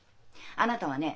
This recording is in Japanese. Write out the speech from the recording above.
あなたはね